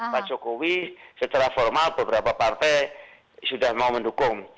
pak jokowi secara formal beberapa partai sudah mau mendukung